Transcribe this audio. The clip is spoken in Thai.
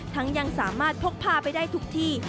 ยังสามารถพกพาไปได้ทุกที่